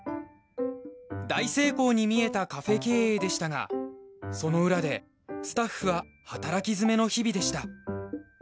大成功に見えたカフェ経営でしたがその裏でスタッフは働き詰めの日々でした。